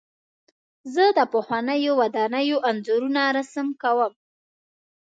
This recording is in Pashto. زه د پخوانیو ودانیو انځورونه رسم کوم.